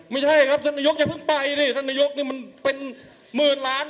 ไม่ใช่ครับท่านนายกอย่าเพิ่งไปดิท่านนายกนี่มันเป็นหมื่นล้าน